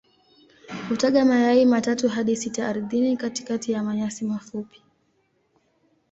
Hutaga mayai matatu hadi sita ardhini katikati ya manyasi mafupi.